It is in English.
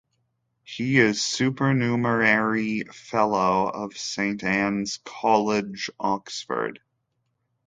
He is a Supernumerary Fellow of Saint Anne's College, Oxford.